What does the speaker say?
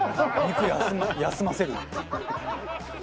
肉休ませる。